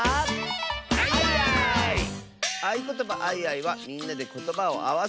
「あいことばあいあい」はみんなでことばをあわせるあそび！